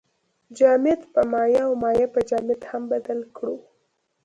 جامد په مایع او مایع په جامد هم بدل کړو.